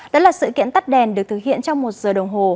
đó là sự kiện tắt đèn được thực hiện trong một giờ đồng hồ